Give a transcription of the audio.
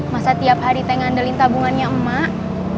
masa tiap hari saya ngandelin tabungannya emak